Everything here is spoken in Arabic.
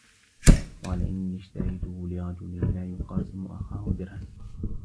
فَقَالَ إنِّي اشْتَرَيْته لِرَجُلٍ لَا يُقَاسِمُ أَخَاهُ دِرْهَمًا